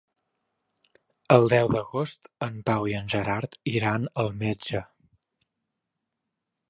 El deu d'agost en Pau i en Gerard iran al metge.